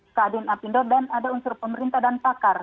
ska din apindo dan ada unsur pemerintah dan pakar